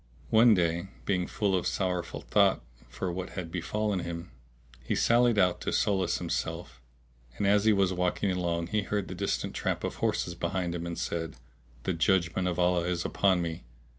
One day, being full of sorrowful thought for what had befallen him, he sallied out to solace himself; and, as he was walking along, he heard the distant tramp of horses behind him and said, "The judgement of Allah is upon me!"